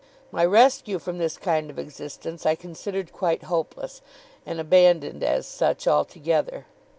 My rescue from this kind of existence I considered quite hopeless, and abandoned, as such, altogether.